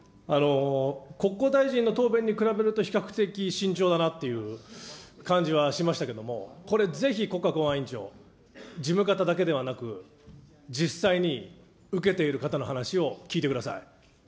国交大臣の答弁に比べると、比較的慎重だなという感じはしましたけども、これぜひ国家公安委員長、事務方だけではなく、実際に受けている方の話を聞いてください。